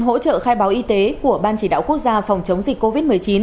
hỗ trợ khai báo y tế của ban chỉ đạo quốc gia phòng chống dịch covid một mươi chín